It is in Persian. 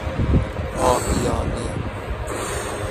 آهیانه